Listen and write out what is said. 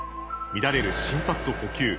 乱れる心拍と呼吸。